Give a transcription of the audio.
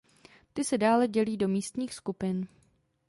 Ty se dále dělí do místních skupin.